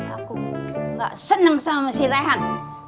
aku gak seneng sama si rehan